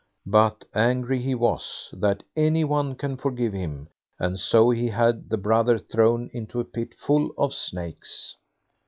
But angry he was, that any one can forgive him, and so he had the brother thrown into a pit full of snakes.